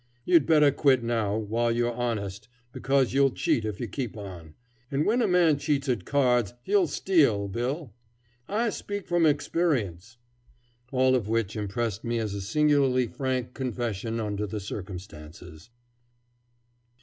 You'd better quit now, while you're honest, because you'll cheat if you keep on, and when a man cheats at cards he'll steal, Bill. I speak from experience." All of which impressed me as a singularly frank confession under the circumstances.